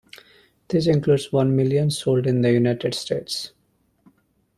This includes one million sold in the United States.